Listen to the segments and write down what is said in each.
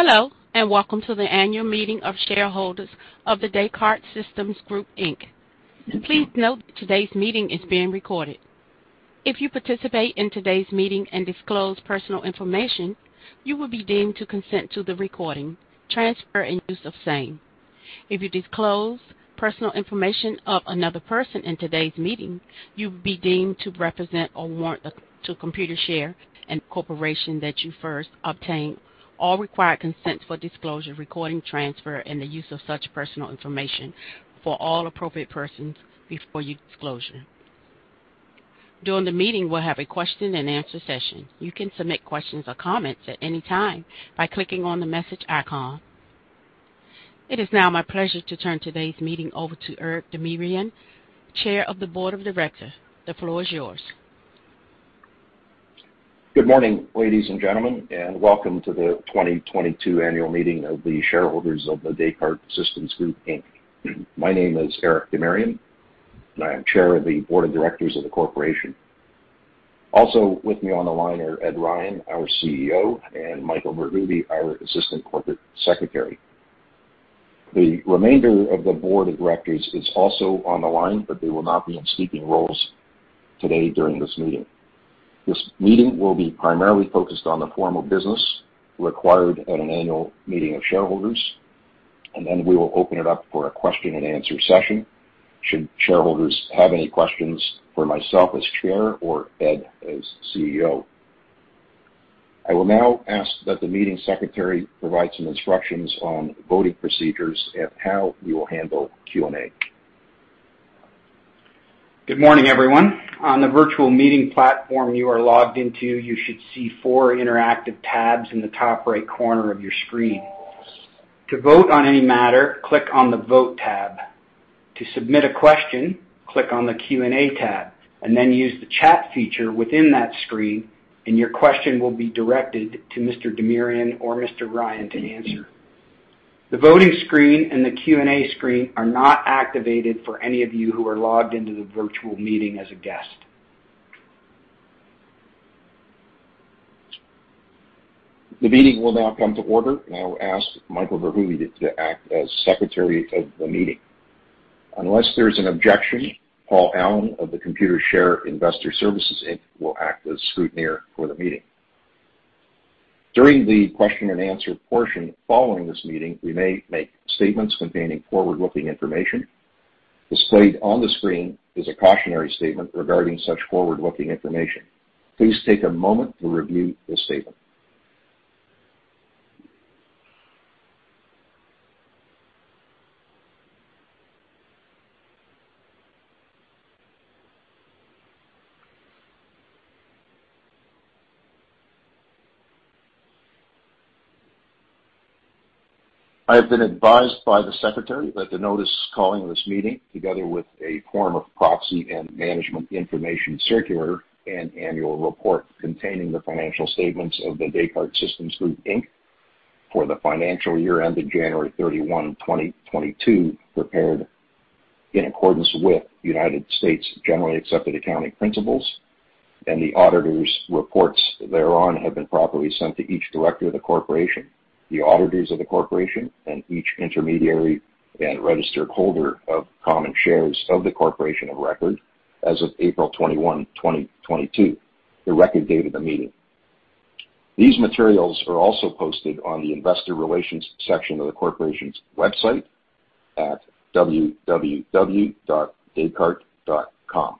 Hello, and welcome to the annual meeting of shareholders of The Descartes Systems Group, Inc. Please note that today's meeting is being recorded. If you participate in today's meeting and disclose personal information, you will be deemed to consent to the recording, transfer, and use of same. If you disclose personal information of another person in today's meeting, you will be deemed to represent or warrant to Computershare and the Corporation that you first obtain all required consents for disclosure, recording, transfer, and the use of such personal information for all appropriate persons before your disclosure. During the meeting, we'll have a question and answer session. You can submit questions or comments at any time by clicking on the message icon. It is now my pleasure to turn today's meeting over to Eric Demirian, Chair of the Board of Directors. The floor is yours. Good morning, ladies and gentlemen, and welcome to the 2022 annual meeting of the shareholders of The Descartes Systems Group, Inc. My name is Eric Demirian, and I am Chair of the Board of Directors of the Corporation. Also with me on the line are Ed Ryan, our CEO, and Michael Verhoeve, our Assistant Corporate Secretary. The remainder of the board of directors is also on the line, but they will not be in speaking roles today during this meeting. This meeting will be primarily focused on the formal business required at an annual meeting of shareholders, and then we will open it up for a question and answer session should shareholders have any questions for myself as Chair or Ed as CEO. I will now ask that the meeting secretary provide some instructions on voting procedures and how we will handle Q&A. Good morning, everyone. On the virtual meeting platform you are logged into, you should see four interactive tabs in the top right corner of your screen. To vote on any matter, click on the Vote tab. To submit a question, click on the Q&A tab and then use the chat feature within that screen, and your question will be directed to Mr. Demirian or Mr. Ryan to answer. The voting screen and the Q&A screen are not activated for any of you who are logged into the virtual meeting as a guest. The meeting will now come to order. I will ask Michael Verhoeve to act as Secretary of the meeting. Unless there's an objection, Paul Allen of Computershare Investor Services Inc. will act as scrutineer for the meeting. During the question-and-answer portion following this meeting, we may make statements containing forward-looking information. Displayed on the screen is a cautionary statement regarding such forward-looking information. Please take a moment to review this statement. I have been advised by the Secretary that the notice calling this meeting, together with a form of proxy and management information circular and annual report containing the financial statements of The Descartes Systems Group, Inc. For the financial year ended January 31, 2022, prepared in accordance with United States Generally Accepted Accounting Principles, and the auditors' reports thereon have been properly sent to each director of the corporation, the auditors of the corporation, and each intermediary and registered holder of common shares of the corporation of record as of April 21, 2022, the record date of the meeting. These materials are also posted on the investor relations section of the corporation's website at www.descartes.com.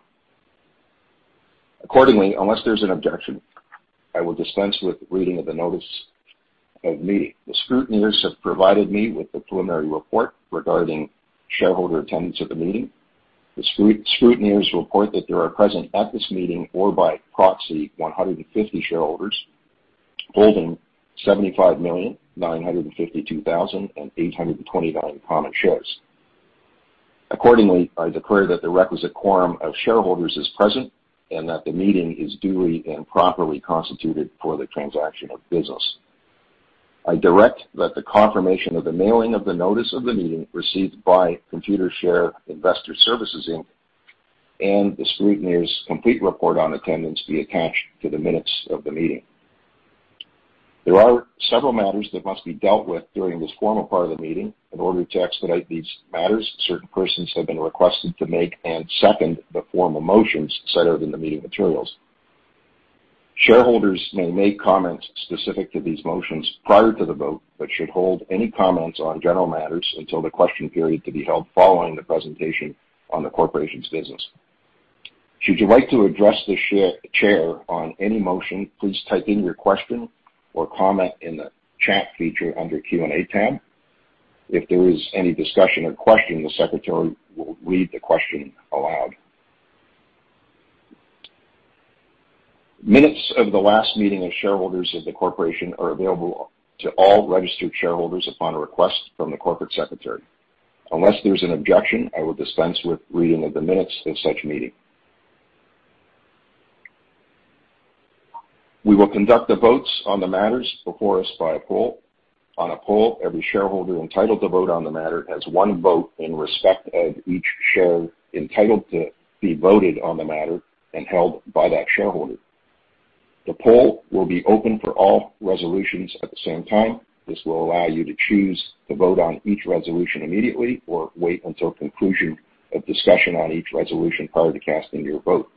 Accordingly, unless there's an objection, I will dispense with reading of the notice of meeting. The scrutineers have provided me with the preliminary report regarding shareholder attendance at the meeting. The scrutineers report that there are present at this meeting or by proxy 150 shareholders holding 75,952,829 common shares. Accordingly, I declare that the requisite quorum of shareholders is present and that the meeting is duly and properly constituted for the transaction of business. I direct that the confirmation of the mailing of the notice of the meeting received by Computershare Investor Services Inc. and the scrutineers' complete report on attendance be attached to the minutes of the meeting. There are several matters that must be dealt with during this formal part of the meeting. In order to expedite these matters, certain persons have been requested to make and second the formal motions set out in the meeting materials. Shareholders may make comments specific to these motions prior to the vote, but should hold any comments on general matters until the question period to be held following the presentation on the corporation's business. Should you like to address the Chair on any motion, please type in your question or comment in the chat feature under Q&A tab. If there is any discussion or question, the secretary will read the question aloud. Minutes of the last meeting of shareholders of the corporation are available to all registered shareholders upon a request from the corporate secretary. Unless there's an objection, I will dispense with reading of the minutes of such meeting. We will conduct the votes on the matters before us by a poll. On a poll, every shareholder entitled to vote on the matter has one vote in respect of each share entitled to be voted on the matter and held by that shareholder. The poll will be open for all resolutions at the same time. This will allow you to choose to vote on each resolution immediately or wait until conclusion of discussion on each resolution prior to casting your vote.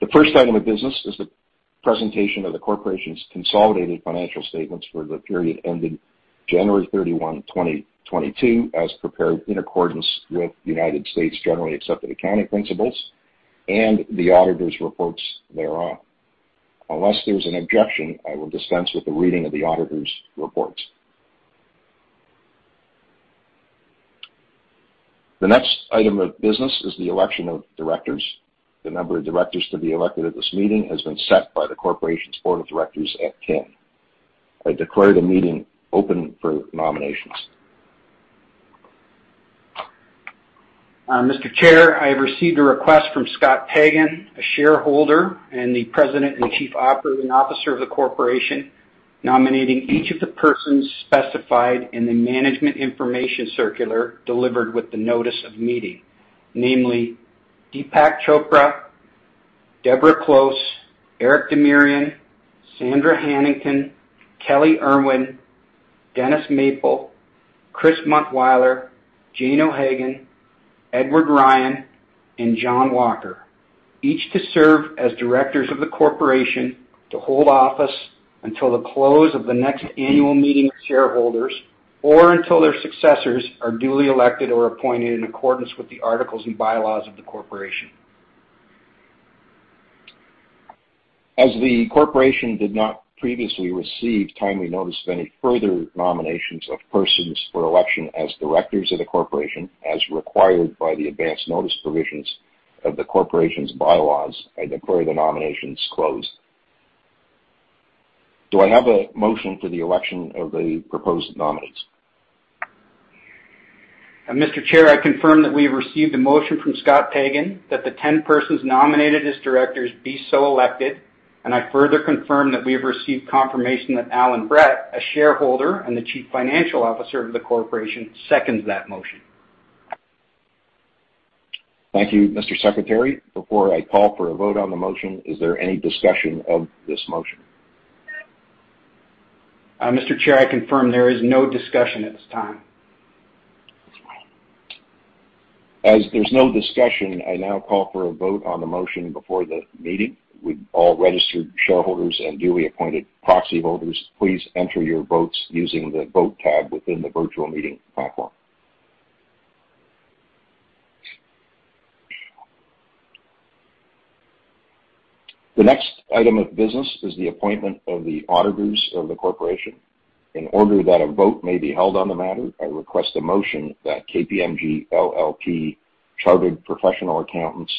The first item of business is the presentation of the corporation's consolidated financial statements for the period ending January 31, 2022, as prepared in accordance with United States generally accepted accounting principles and the auditor's reports thereof. Unless there's an objection, I will dispense with the reading of the auditor's reports. The next item of business is the election of directors. The number of directors to be elected at this meeting has been set by the corporation's board of directors at 10. I declare the meeting open for nominations. Mr. Chair, I have received a request from Scott Pagan, a shareholder, and the President and Chief Operating Officer of the corporation, nominating each of the persons specified in the management information circular delivered with the notice of meeting, namely Deepak Chopra, Deborah Close, Eric Demirian, Sandra Hanington, Kelley Irwin, Dennis Maple, Chris Muntwyler, Jane O'Hagan, Edward Ryan, and John Walker, each to serve as directors of the corporation to hold office until the close of the next annual meeting of shareholders or until their successors are duly elected or appointed in accordance with the articles and bylaws of the corporation. As the corporation did not previously receive timely notice of any further nominations of persons for election as directors of the corporation, as required by the advance notice provisions of the corporation's bylaws, I declare the nominations closed. Do I have a motion for the election of the proposed nominees? Mr. Chair, I confirm that we have received a motion from Scott Pagan that the ten persons nominated as directors be so elected, and I further confirm that we have received confirmation that Allan Brett, a shareholder and the Chief Financial Officer of the corporation, seconds that motion. Thank you, Mr. Secretary. Before I call for a vote on the motion, is there any discussion of this motion? Mr. Chair, I confirm there is no discussion at this time. As there's no discussion, I now call for a vote on the motion before the meeting. Would all registered shareholders and duly appointed proxy holders please enter your votes using the Vote tab within the virtual meeting platform? The next item of business is the appointment of the auditors of the corporation. In order that a vote may be held on the matter, I request a motion that KPMG LLP Chartered Professional Accountants,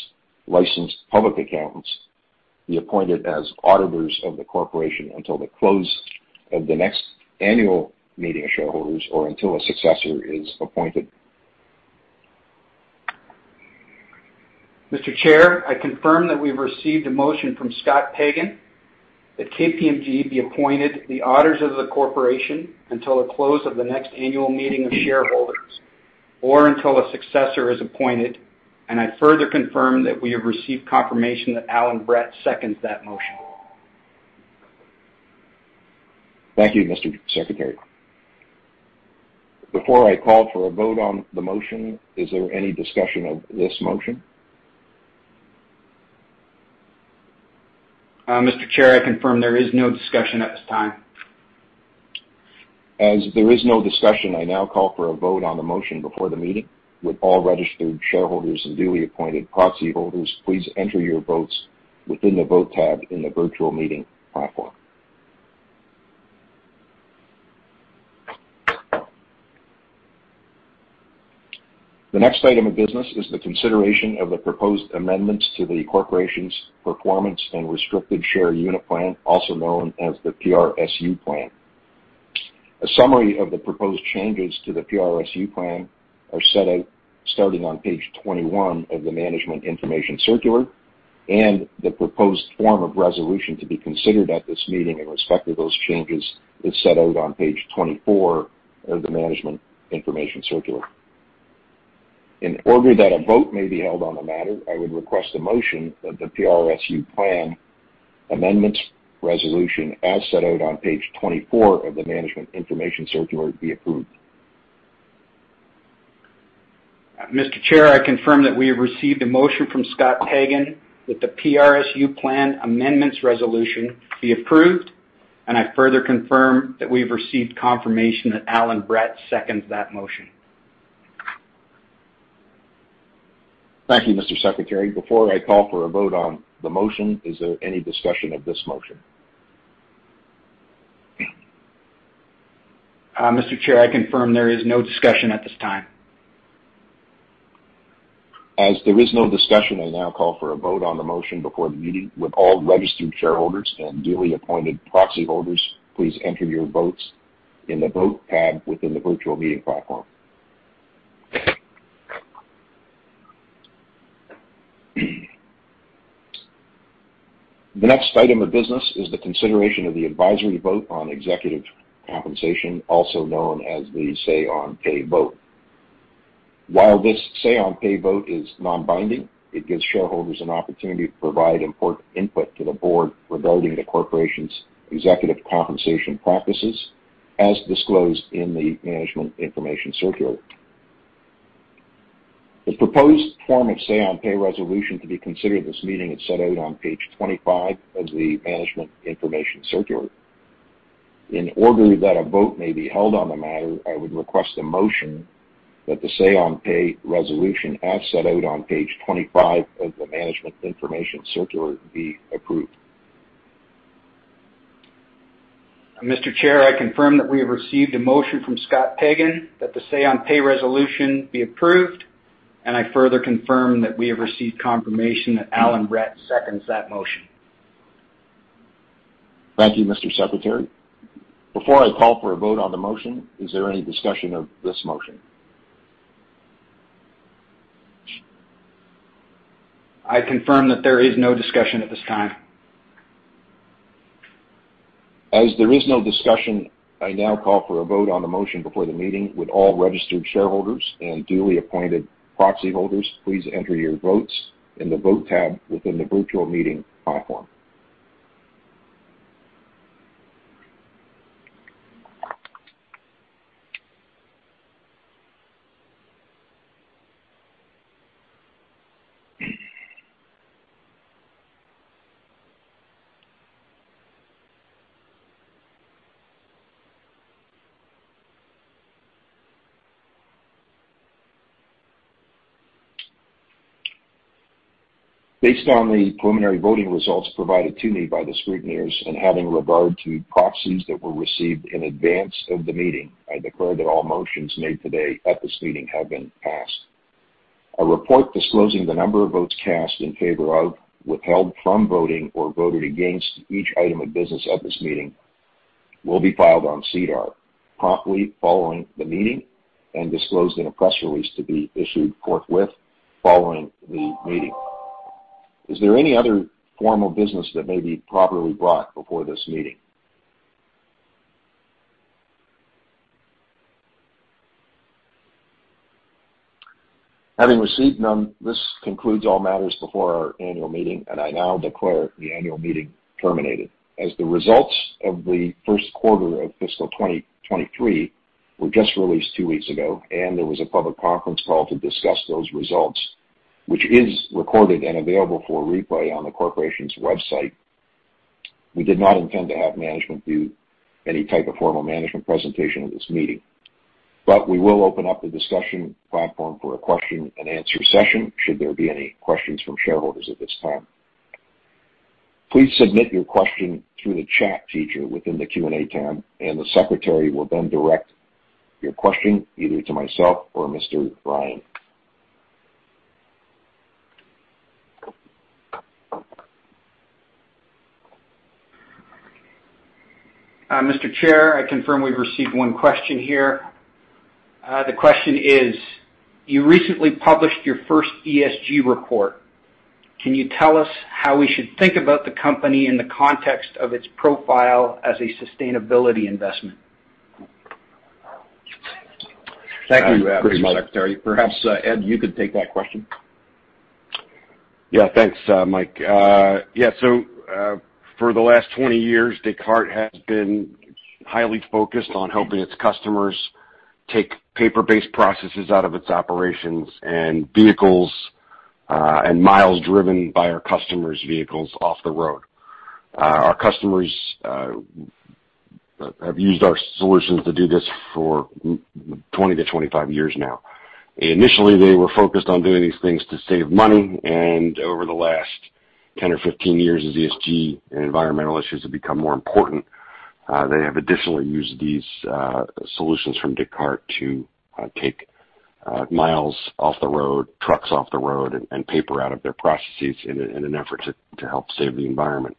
Licensed Public Accountants be appointed as auditors of the corporation until the close of the next annual meeting of shareholders or until a successor is appointed. Mr. Chair, I confirm that we've received a motion from Scott Pagan that KPMG be appointed the auditors of the corporation until the close of the next annual meeting of shareholders or until a successor is appointed. I further confirm that we have received confirmation that Allan Brett seconds that motion. Thank you, Mr. Secretary. Before I call for a vote on the motion, is there any discussion of this motion? Mr. Chair, I confirm there is no discussion at this time. As there is no discussion, I now call for a vote on the motion before the meeting. Would all registered shareholders and duly appointed proxy holders please enter your votes within the Vote tab in the virtual meeting platform. The next item of business is the consideration of the proposed amendments to the corporation's performance and restricted share unit plan, also known as the PRSU plan. A summary of the proposed changes to the PRSU plan are set out starting on page 21 of the management information circular, and the proposed form of resolution to be considered at this meeting in respect to those changes is set out on page 24 of the management information circular. In order that a vote may be held on the matter, I would request a motion that the PRSU plan amendments resolution, as set out on page 24 of the management information circular, be approved. Mr. Chair, I confirm that we have received a motion from Scott Pagan that the PRSU plan amendments resolution be approved, and I further confirm that we have received confirmation that Allan Brett seconds that motion. Thank you, Mr. Secretary. Before I call for a vote on the motion, is there any discussion of this motion? Mr. Chair, I confirm there is no discussion at this time. As there is no discussion, I now call for a vote on the motion before the meeting. Would all registered shareholders and duly appointed proxy holders please enter your votes in the Vote tab within the virtual meeting platform. The next item of business is the consideration of the advisory vote on executive compensation, also known as the Say-On-Pay. While this Say-On-Pay vote is non-binding, it gives shareholders an opportunity to provide important input to the board regarding the corporation's executive compensation practices, as disclosed in the management information circular. The proposed form of Say-On-Pay resolution to be considered at this meeting is set out on page 25 of the management information circular. In order that a vote may be held on the matter, I would request a motion that the Say-On-Pay resolution as set out on page 25 of the management information circular be approved. Mr. Chair, I confirm that we have received a motion from Scott Pagan that the Say-On-Pay resolution be approved, and I further confirm that we have received confirmation that Allan Brett seconds that motion. Thank you, Mr. Secretary. Before I call for a vote on the motion, is there any discussion of this motion? I confirm that there is no discussion at this time. As there is no discussion, I now call for a vote on the motion before the meeting with all registered shareholders and duly appointed proxy holders. Please enter your votes in the Vote tab within the virtual meeting platform. Based on the preliminary voting results provided to me by the scrutineers and having regard to proxies that were received in advance of the meeting, I declare that all motions made today at this meeting have been passed. A report disclosing the number of votes cast in favor of, withheld from voting, or voted against each item of business at this meeting will be filed on SEDAR promptly following the meeting and disclosed in a press release to be issued forthwith following the meeting. Is there any other formal business that may be properly brought before this meeting? Having received none, this concludes all matters before our annual meeting, and I now declare the annual meeting terminated. As the results of the first quarter of fiscal 2023 were just released two weeks ago, and there was a public conference call to discuss those results, which is recorded and available for replay on the corporation's website, we did not intend to have management do any type of formal management presentation at this meeting. We will open up the discussion platform for a question and answer session should there be any questions from shareholders at this time. Please submit your question through the chat feature within the Q&A tab, and the secretary will then direct your question either to myself or Mr. Ryan. Mr. Chair, I confirm we've received one question here. The question is, you recently published your first ESG report. Can you tell us how we should think about the company in the context of its profile as a sustainability investment? Thank you, Mr. Secretary. Perhaps, Ed, you could take that question. Yeah. Thanks, Mike. Yeah. For the last 20 years, Descartes has been highly focused on helping its customers take paper-based processes out of its operations and vehicles, and miles driven by our customers' vehicles off the road. Our customers have used our solutions to do this for 20-25 years now. Initially, they were focused on doing these things to save money, and over the last 10 or 15 years as ESG and environmental issues have become more important, they have additionally used these solutions from Descartes to take miles off the road, trucks off the road and paper out of their processes in an effort to help save the environment.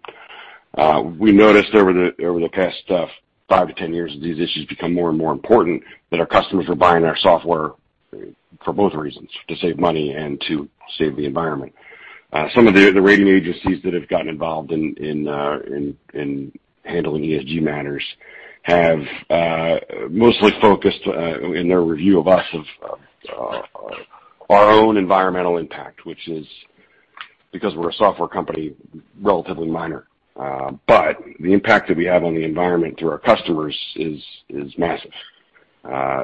We noticed over the past 5-10 years as these issues become more and more important that our customers are buying our software for both reasons, to save money and to save the environment. Some of the rating agencies that have gotten involved in handling ESG matters have mostly focused in their review of our own environmental impact, which is because we're a software company, relatively minor. The impact that we have on the environment through our customers is massive.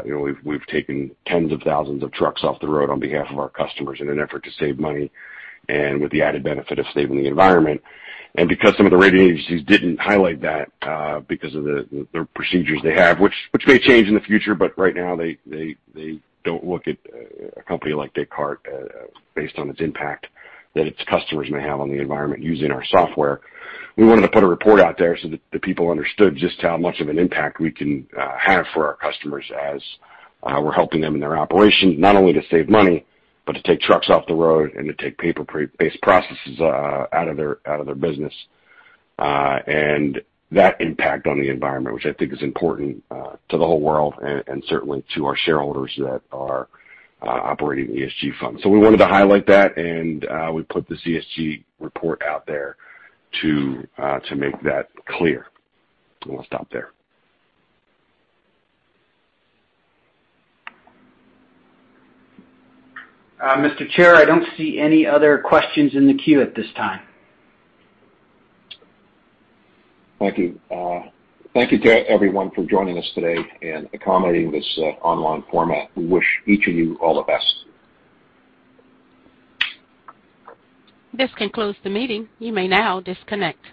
You know, we've taken tens of thousands of trucks off the road on behalf of our customers in an effort to save money and with the added benefit of saving the environment. Because some of the rating agencies didn't highlight that, because of the procedures they have, which may change in the future, but right now they don't look at a company like Descartes, based on its impact that its customers may have on the environment using our software. We wanted to put a report out there so that the people understood just how much of an impact we can have for our customers as we're helping them in their operations, not only to save money, but to take trucks off the road and to take paper-based processes out of their business. That impact on the environment, which I think is important, to the whole world and certainly to our shareholders that are operating ESG funds. We wanted to highlight that, and we put the ESG report out there to make that clear. I'll stop there. Mr. Chair, I don't see any other questions in the queue at this time. Thank you. Thank you to everyone for joining us today and accommodating this, online format. We wish each of you all the best. This concludes the meeting. You may now disconnect.